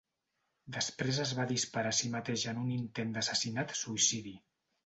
Després es va disparar a si mateix en un intent d'assassinat-suïcidi.